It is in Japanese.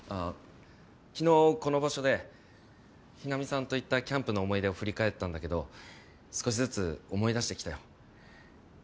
昨日この場所で日菜美さんと行ったキャンプの思い出を振り返ったんだけど少しずつ思い出してきたよ。